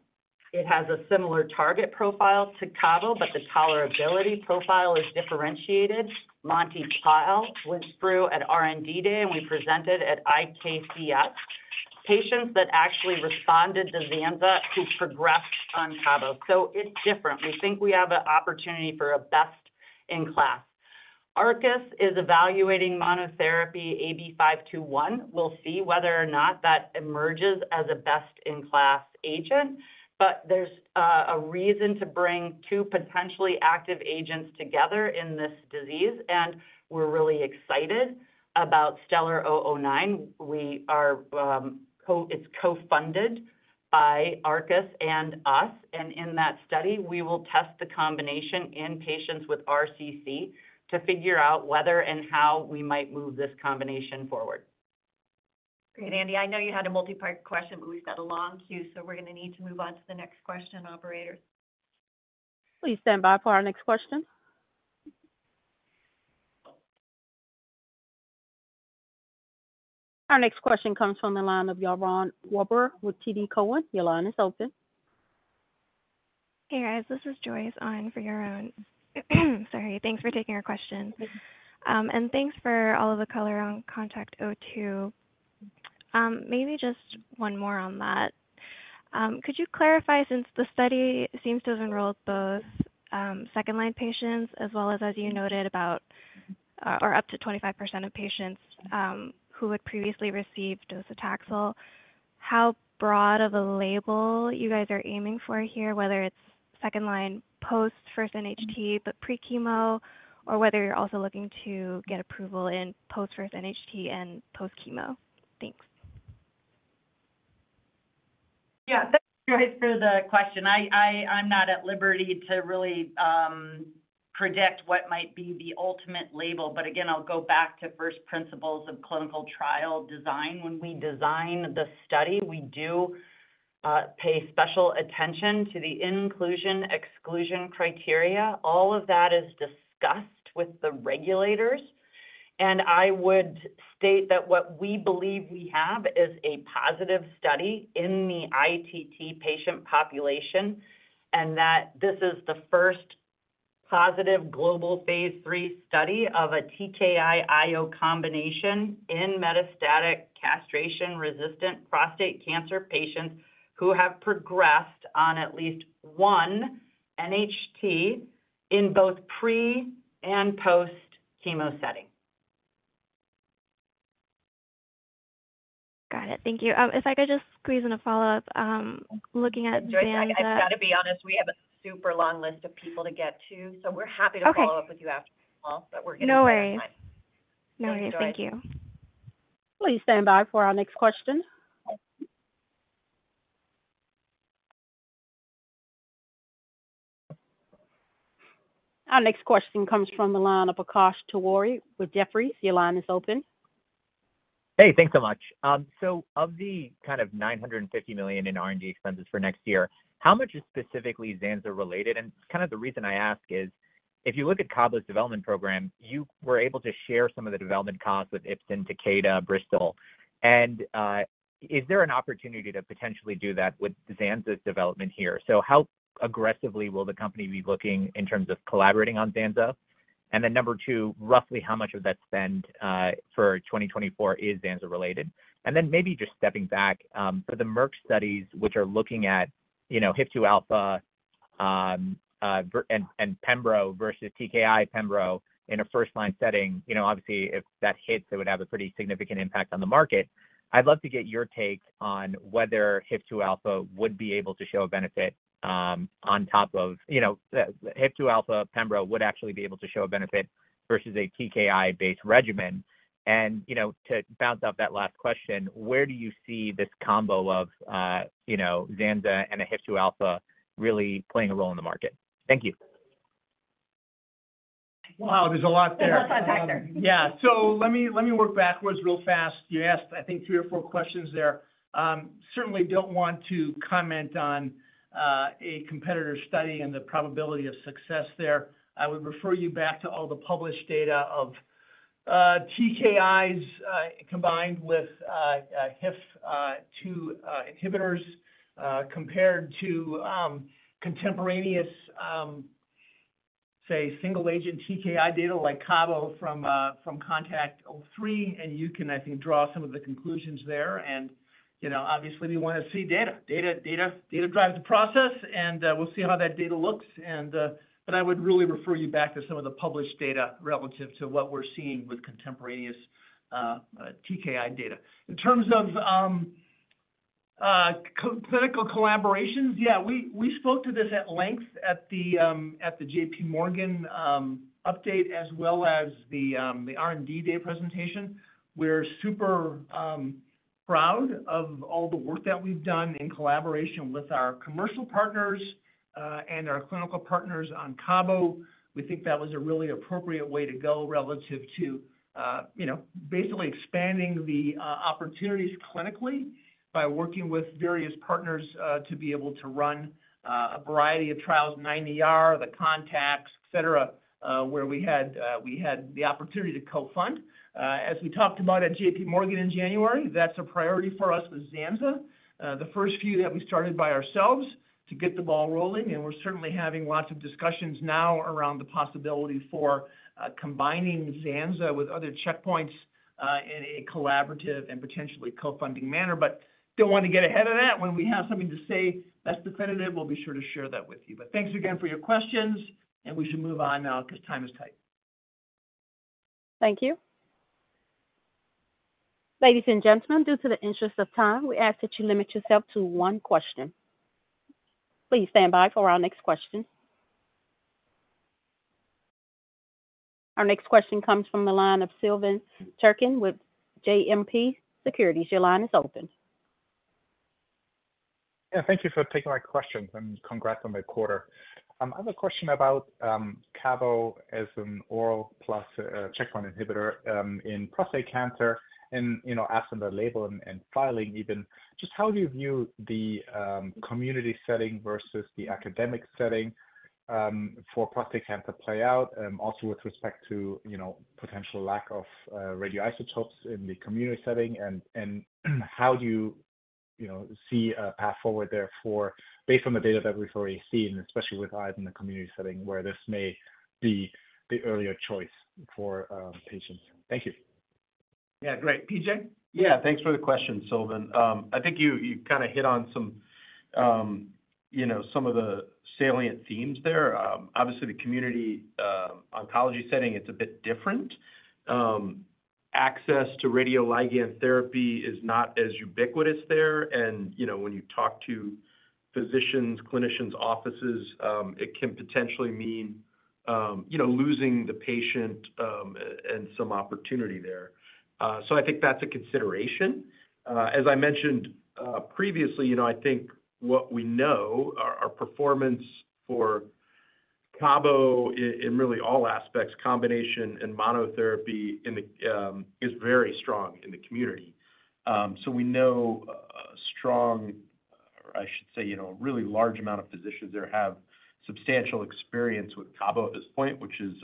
It has a similar target profile to CABO, but the tolerability profile is differentiated. Monty Pal went through at R&D Day, and we presented at IKCS. Patients that actually responded to Zanza, who progressed on CABO. So it's different. We think we have an opportunity for a best-in-class. Arcus is evaluating monotherapy AB521. We'll see whether or not that emerges as a best-in-class agent, but there's a reason to bring two potentially active agents together in this disease, and we're really excited about STELLAR-009. We are, it's co-funded by Arcus and us, and in that study, we will test the combination in patients with RCC to figure out whether and how we might move this combination forward. Great, Andy, I know you had a multi-part question, but we've got a long queue, so we're going to need to move on to the next question, operator. Please stand by for our next question. Our next question comes from the line of Yaron Werber with TD Cowen. Your line is open. Hey, guys, this is Joyce on for Yaron. Sorry, thanks for taking our question. Thanks for all of the color on CONTACT-02. Maybe just one more on that. Could you clarify, since the study seems to have enrolled both, second-line patients as well as, as you noted, about, or up to 25% of patients, who had previously received docetaxel, how broad of a label you guys are aiming for here, whether it's second-line post first NHT, but pre-chemo, or whether you're also looking to get approval in post first NHT and post-chemo? Thanks. Yeah, thanks, Joyce, for the question. I'm not at liberty to really predict what might be the ultimate label, but again, I'll go back to first principles of clinical trial design. When we design the study, we do pay special attention to the inclusion/exclusion criteria. All of that is discussed with the regulators, and I would state that what we believe we have is a positive study in the ITT patient population, and that this is the first positive global phase III study of a TKI IO combination in metastatic castration-resistant prostate cancer patients who have progressed on at least one NHT in both pre and post-chemo setting. Got it. Thank you. If I could just squeeze in a follow-up, looking at Zanza- Joyce, I've got to be honest, we have a super long list of people to get to, so we're happy- Okay. to follow up with you after all, but we're getting out of time. No worries. No worries. Thanks, Joyce. Thank you. Please stand by for our next question. Our next question comes from the line of Akash Tewari with Jefferies. Your line is open. Hey, thanks so much. So of the kind of $950 million in R&D expenses for next year, how much is specifically Zanza related? And kind of the reason I ask is, if you look at CABO's development program, you were able to share some of the development costs with Ipsen, Takeda, Bristol. And, is there an opportunity to potentially do that with Zanza's development here? So how aggressively will the company be looking in terms of collaborating on Zanza? And then number two, roughly how much of that spend for 2024 is Zanza related? And then maybe just stepping back, for the Merck studies, which are looking at, you know, HIF-2α and pembro versus TKI pembro in a first-line setting. You know, obviously, if that hits, it would have a pretty significant impact on the market. I'd love to get your take on whether HIF-2 alpha would be able to show a benefit on top of, you know, the HIF-2 alpha pembro would actually be able to show a benefit versus a TKI-based regimen. And, you know, to bounce off that last question, where do you see this combo of Zanzalintinib and a HIF-2 alpha really playing a role in the market? Thank you. Wow, there's a lot there. There's a lot to unpack there. Yeah. So let me, let me work backwards real fast. You asked, I think, three or four questions there. Certainly don't want to comment on a competitor's study and the probability of success there. I would refer you back to all the published data of TKIs combined with HIF-2 inhibitors compared to contemporaneous say single-agent TKI data like Cabo from Contact-03, and you can, I think, draw some of the conclusions there. And, you know, obviously, we want to see data. Data, data, data drives the process, and we'll see how that data looks, and... But I would really refer you back to some of the published data relative to what we're seeing with contemporaneous TKI data. In terms of clinical collaborations, yeah, we spoke to this at length at the J.PMorgan update, as well as the R&D Day presentation. We're super proud of all the work that we've done in collaboration with our commercial partners and our clinical partners on Cabo. We think that was a really appropriate way to go relative to you know, basically expanding the opportunities clinically by working with various partners to be able to run a variety of trials, IIR, the contacts, et cetera, where we had the opportunity to co-fund. As we talked about at JPMorgan in January, that's a priority for us with Zanza. The first few that we started by ourselves to get the ball rolling, and we're certainly having lots of discussions now around the possibility for combining Zanzalintinib with other checkpoints in a collaborative and potentially co-funding manner. But don't want to get ahead of that. When we have something to say that's definitive, we'll be sure to share that with you. But thanks again for your questions, and we should move on now because time is tight. Thank you. Ladies and gentlemen, in the interest of time, we ask that you limit yourself to one question. Please stand by for our next question. Our next question comes from the line of Silvan Türkcan with JMP Securities. Your line is open. Yeah, thank you for taking my question, and congrats on the quarter. I have a question about Cabo as an oral plus checkpoint inhibitor in prostate cancer, and you know, asking the label and filing even, just how do you view the community setting versus the academic setting for prostate cancer play out? And also with respect to you know, potential lack of radioisotopes in the community setting, and how do you you know, see a path forward therefore, based on the data that we've already seen, especially with IO in the community setting, where this may be the earlier choice for patients? Thank you. Yeah, great. PJ? Yeah, thanks for the question, Sylvan. I think you hit on some, you know, some of the salient themes there. Obviously, the community oncology setting, it's a bit different. Access to radioligand therapy is not as ubiquitous there, and, you know, when you talk to physicians, clinicians, offices, it can potentially mean, you know, losing the patient, and some opportunity there. So I think that's a consideration. As I mentioned previously, you know, I think what we know, our performance for Cabo in really all aspects, combination and monotherapy in the is very strong in the community. So we know a strong, or I should say, you know, a really large amount of physicians there have substantial experience with Cabo at this point, which is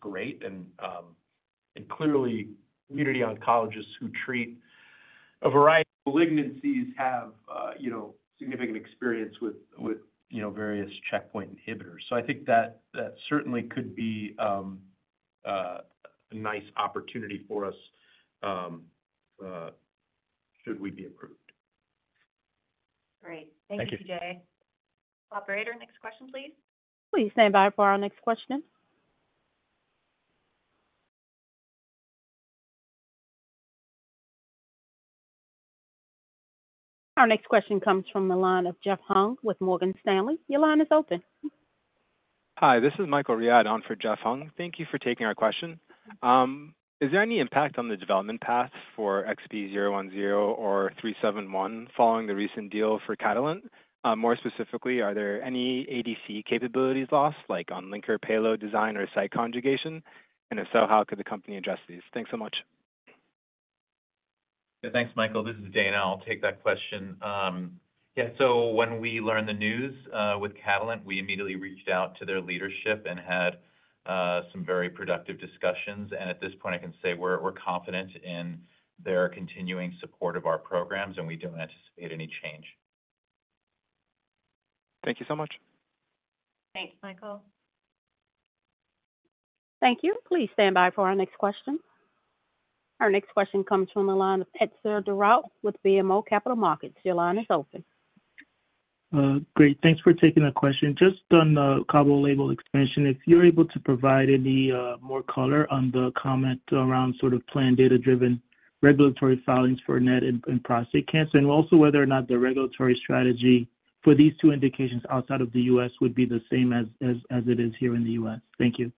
great. Clearly, community oncologists who treat a variety of malignancies have, you know, significant experience with, you know, various checkpoint inhibitors. So I think that, that certainly could be a nice opportunity for us, should we be approved. Great. Thank you. Thank you, PJ. Operator, next question, please. Please stand by for our next question. Our next question comes from the line of Jeff Hung with Morgan Stanley. Your line is open. Hi, this is Michael Riad on for Jeff Hung. Thank you for taking our question. Is there any impact on the development path for XB010 or 371 following the recent deal for Catalent? More specifically, are there any ADC capabilities lost, like on linker payload design or site conjugation? And if so, how could the company address these? Thanks so much. Thanks, Michael. This is Dana. I'll take that question. Yeah, so when we learned the news with Catalent, we immediately reached out to their leadership and had some very productive discussions. And at this point, I can say we're, we're confident in their continuing support of our programs, and we don't anticipate any change. Thank you so much. Thanks, Michael. Thank you. Please stand by for our next question. Our next question comes from the line of Etzer Darout with BMO Capital Markets. Your line is open. Great, thanks for taking the question. Just on the Cabo label expansion, if you're able to provide any, more color on the comment around sort of planned data-driven regulatory filings for net and prostate cancer, and also whether or not the regulatory strategy for these two indications outside of the U.S. would be the same as it is here in the U.S. Thank you.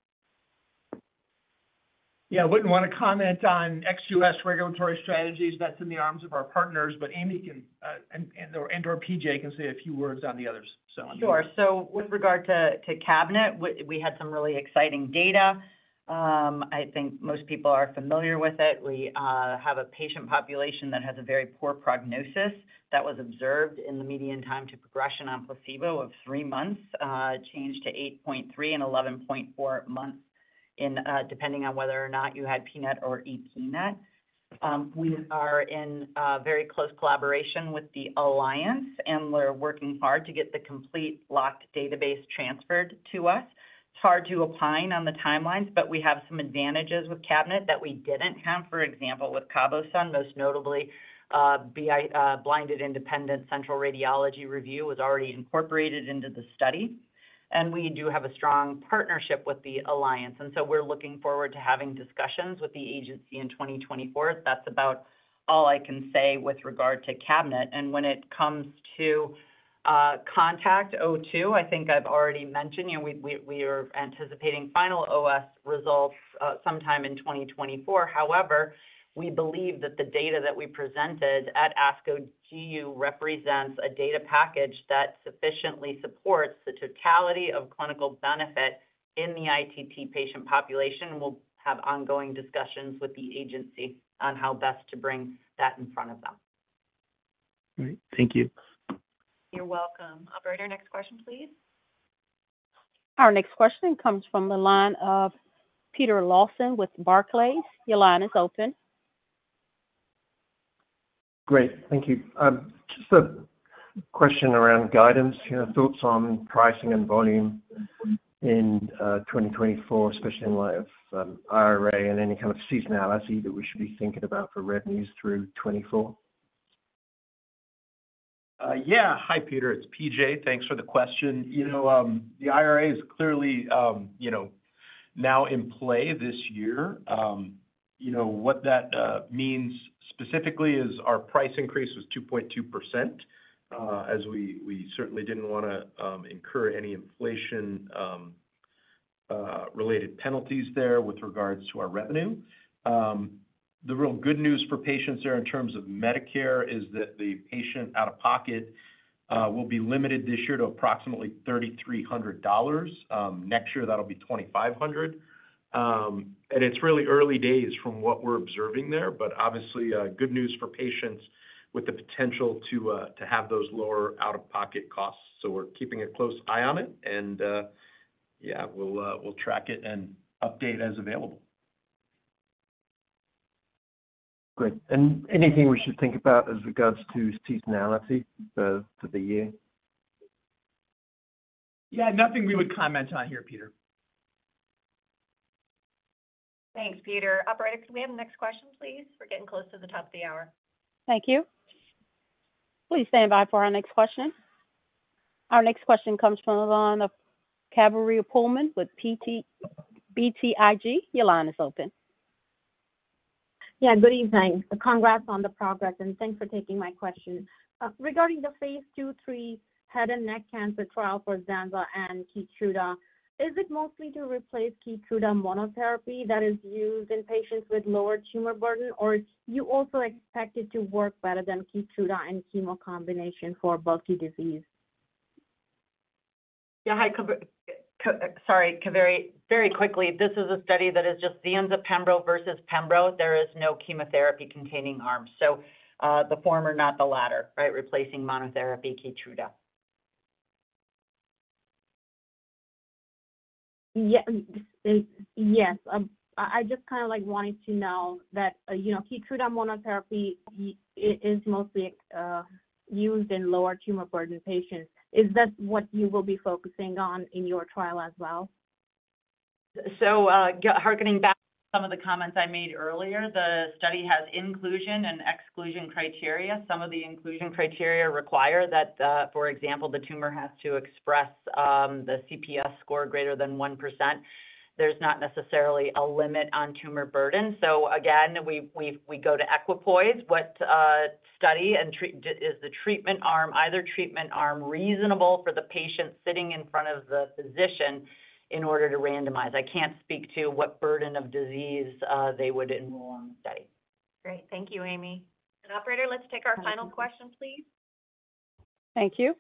Yeah, I wouldn't want to comment on ex-U.S. regulatory strategies. That's in the arms of our partners, but Amy can, and/or PJ can say a few words on the others, so. Sure. So with regard to CABINET, we had some really exciting data. I think most people are familiar with it. We have a patient population that has a very poor prognosis that was observed in the median time to progression on placebo of three months, changed to 8.3 and 11.4 months, depending on whether or not you had pNET or epNET. We are in very close collaboration with the Alliance, and we're working hard to get the complete locked database transferred to us. It's hard to opine on the timelines, but we have some advantages with CABINET that we didn't have, for example, with CABOSUN, most notably, BICR, Blinded Independent Central Radiology Review, was already incorporated into the study. We do have a strong partnership with the alliance, and so we're looking forward to having discussions with the agency in 2024. That's about all I can say with regard to CABINET. When it comes to CONTACT-02, I think I've already mentioned, you know, we are anticipating final OS results sometime in 2024. However, we believe that the data that we presented at ASCO GU represents a data package that sufficiently supports the totality of clinical benefit in the ITT patient population, and we'll have ongoing discussions with the agency on how best to bring that in front of them. All right, thank you. You're welcome. Operator, next question, please. Our next question comes from the line of Peter Lawson with Barclays. Your line is open. Great, thank you. Just a question around guidance. Your thoughts on pricing and volume in 2024, especially in light of IRA and any kind of seasonality that we should be thinking about for revenues through 2024? Yeah. Hi, Peter, it's PJ Thanks for the question. You know, the IRA is clearly, you know, now in play this year. You know, what that means specifically is our price increase was 2.2%, as we certainly didn't wanna incur any inflation related penalties there with regards to our revenue. The real good news for patients there in terms of Medicare is that the patient out-of-pocket will be limited this year to approximately $3,300. Next year, that'll be $2,500. It's really early days from what we're observing there, but obviously good news for patients with the potential to have those lower out-of-pocket costs. So we're keeping a close eye on it, and yeah, we'll track it and update as available. Great. Anything we should think about as regards to seasonality for the year? Yeah, nothing we would comment on here, Peter. Thanks, Peter. Operator, can we have the next question, please? We're getting close to the top of the hour. Thank you. Please stand by for our next question. Our next question comes from the line of Kaveri Pohlman with BTIG. Your line is open. Yeah, good evening. Congrats on the progress, and thanks for taking my question. Regarding the phase II/III head and neck cancer trial for Zanzalintinib and Keytruda, is it mostly to replace Keytruda monotherapy that is used in patients with lower tumor burden, or do you also expect it to work better than Keytruda and chemo combination for bulky disease? Yeah. Hi, Kaveri. Very quickly, this is a study that is just the Zanzalintinib pembro versus pembro. There is no chemotherapy-containing arm, so, the former, not the latter, right? Replacing monotherapy Keytruda. Yeah. Yes, I just kind of, like, wanted to know that, you know, KEYTRUDA monotherapy, it is mostly used in lower tumor burden patients. Is that what you will be focusing on in your trial as well? So, hearkening back to some of the comments I made earlier, the study has inclusion and exclusion criteria. Some of the inclusion criteria require that, for example, the tumor has to express the CPS score greater than 1%. There's not necessarily a limit on tumor burden. So again, we go to equipoise. What study and treat-- is the treatment arm, either treatment arm reasonable for the patient sitting in front of the physician in order to randomize? I can't speak to what burden of disease they would enroll in the study. Great. Thank you, Amy. Operator, let's take our final question, please. Thank you.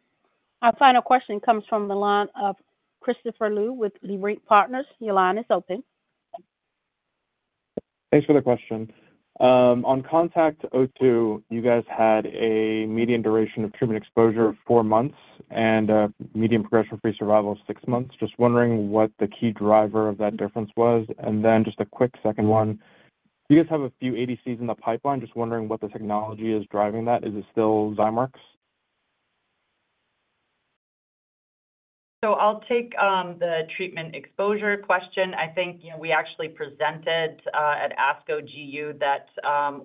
Our final question comes from the line of Christopher Liu with Leerink Partners. Your line is open. Thanks for the question. On CONTACT-02, you guys had a median duration of treatment exposure of 4 months and a median progression-free survival of 6 months. Just wondering what the key driver of that difference was. And then just a quick second one: Do you guys have a few ADCs in the pipeline? Just wondering what the technology is driving that. Is it still Zymeworks? So I'll take the treatment exposure question. I think, you know, we actually presented at ASCO GU that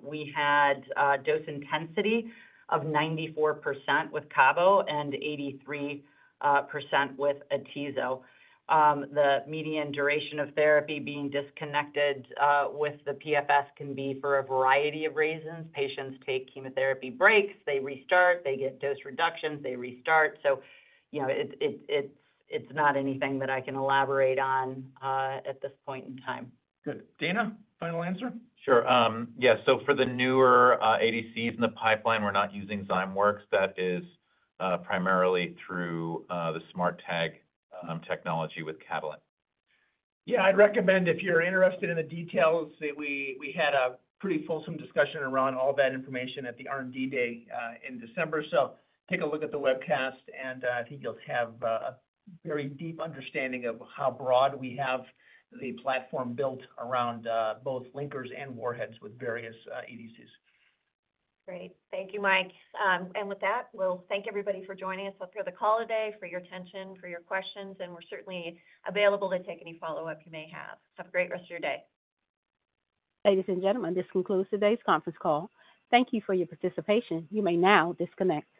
we had dose intensity of 94% with Cabo and 83% with atezo. The median duration of therapy being disconnected with the PFS can be for a variety of reasons. Patients take chemotherapy breaks, they restart, they get dose reductions, they restart. So you know, it's not anything that I can elaborate on at this point in time. Good. Dana, final answer? Sure. Yeah, so for the newer ADCs in the pipeline, we're not using Zymeworks. That is primarily through the SMARTag technology with Catalent. Yeah, I'd recommend if you're interested in the details that we had a pretty fulsome discussion around all that information at the R&D Day in December. So take a look at the webcast, and I think you'll have a very deep understanding of how broad we have the platform built around both linkers and warheads with various ADCs. Great. Thank you, Mike. And with that, we'll thank everybody for joining us throughout the call today, for your attention, for your questions, and we're certainly available to take any follow-up you may have. Have a great rest of your day. Ladies and gentlemen, this concludes today's conference call. Thank you for your participation. You may now disconnect.